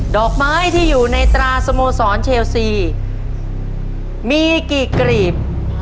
ดอกไม้ที่อยู่ในตราสโมสรเชลซีมีกี่กรีบ